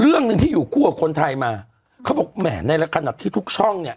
เรื่องหนึ่งที่อยู่คู่กับคนไทยมาเขาบอกแหมในขณะที่ทุกช่องเนี่ย